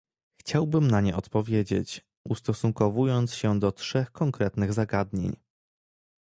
Chciałbym na nie odpowiedzieć, ustosunkowując się do trzech konkretnych zagadnień